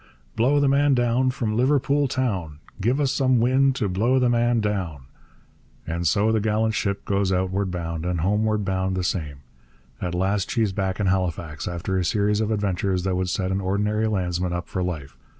Blow the man down from Liverpool town; Give us some wind to blow the man down. And so the gallant ship goes outward bound; and homeward bound the same. At last she's back in Halifax, after a series of adventures that would set an ordinary landsman up for life.